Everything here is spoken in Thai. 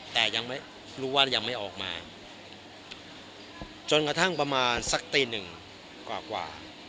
แต่ยังไม่รู้ว่ายังไม่ออกมาจนกระทั่งประมาณสักตีหนึ่งกว่า